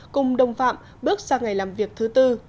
cùng đồng phạm bước sang ngày làm việc thứ tư